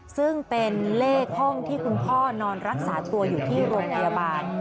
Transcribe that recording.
ซึ่งเป็นเลขห้องที่คุณพ่อนอนรักษาตัวอยู่ที่โรงพยาบาล